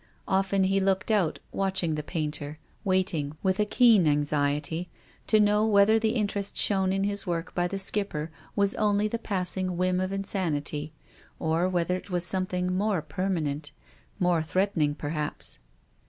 Often he looked out, watch ing the painter, waiting, with a keen anxiety, to know whether the interest shown in his work by the Skipper was only the passing whim of insanity, or whether it was something more permanent, more threatening perhaps.